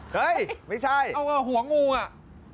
เฮ้ยไม่ใช่หัวงูอ่ะ